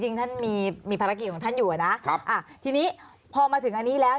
จริงท่านมีมีภารกิจของท่านอยู่อ่ะนะครับอ่าทีนี้พอมาถึงอันนี้แล้ว